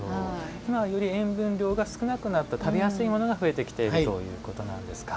塩分量が少なくなった食べやすいものが増えてきているということなんですね。